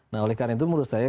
nah oleh karena itu menurut saya